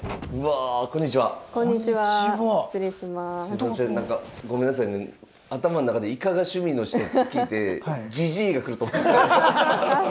すいません何かごめんなさいね頭ん中でイカが趣味の人って聞いてジジイが来ると思って。